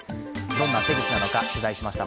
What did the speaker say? どんな手口なのか取材しました。